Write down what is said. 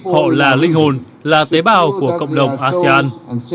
họ là linh hồn là tế bào của cộng đồng asean